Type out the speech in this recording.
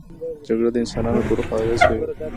جګړه د انسانانو پر روح اغېز کوي